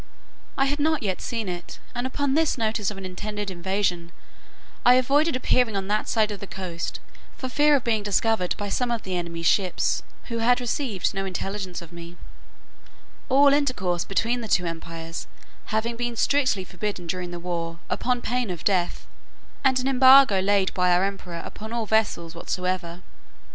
I had not yet seen it, and upon this notice of an intended invasion, I avoided appearing on that side of the coast, for fear of being discovered, by some of the enemy's ships, who had received no intelligence of me; all intercourse between the two empires having been strictly forbidden during the war, upon pain of death, and an embargo laid by our emperor upon all vessels whatsoever.